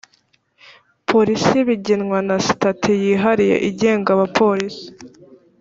polisi bigenwa na sitati yihariye igenga abapolisi